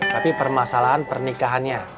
tapi permasalahan pernikahannya